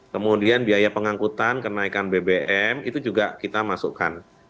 kemudian biaya pengangkutan kenaikan bbm itu juga kita masukkan